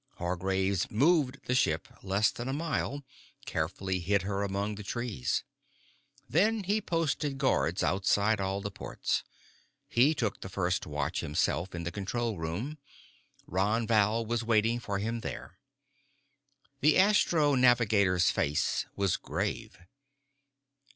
Hargraves moved the ship less than a mile, carefully hid her among the trees. Then he posted guards outside all the ports. He took the first watch himself, in the control room. Ron Val was waiting for him there. The astro navigator's face was grave.